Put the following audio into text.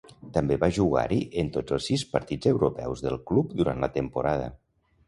També va jugar-hi en tots els sis partits europeus del club durant la temporada.